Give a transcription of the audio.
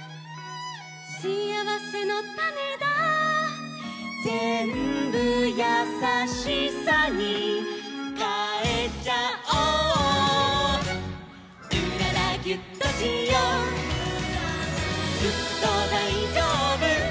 「しあわせのたねだ」「ぜんぶやさしさにかえちゃおう」「うららギュッとしよう」「ずっとだいじょうぶ」